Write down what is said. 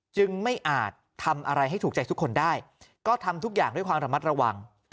ไม่อาจทำอะไรให้ถูกใจทุกคนได้ก็ทำทุกอย่างด้วยความระมัดระวัง